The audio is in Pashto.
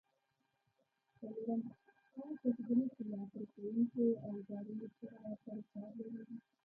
څلورم: هغه کسبونه چې له پرې کوونکو اوزارونو سره سرو کار لري؟